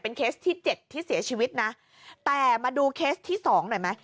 เคสที่เจ็ดที่เสียชีวิตนะแต่มาดูเคสที่สองหน่อยไหม